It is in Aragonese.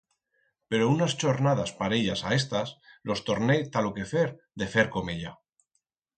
Pero unas chornadas parellas a estas los torné ta lo quefer de fer comeya.